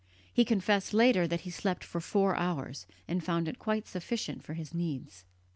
He confessed later that he slept for four hours, and found it quite sufficient for his needs.